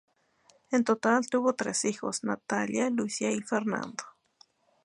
En total tuvo tres hijos: Natalia, Lucía y Fernando.